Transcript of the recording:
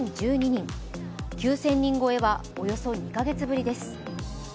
９０００人超えはおよそ２か月ぶりです。